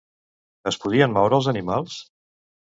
Es podien moure els animals?